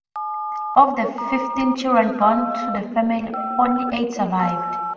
Of the fifteen children born to the family only eight survived.